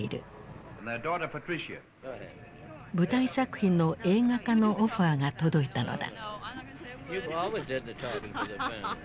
舞台作品の映画化のオファーが届いたのだ。